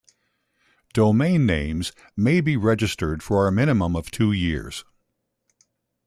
Domain names may be registered for a minimum of two years.